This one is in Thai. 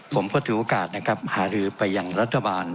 ผมก็ถือโอกาสนะครับหารือไปยังรัฐบาล